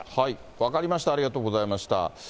分かりました、ありがとうございました。